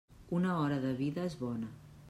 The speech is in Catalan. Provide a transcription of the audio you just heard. Una hora de vida, és bona.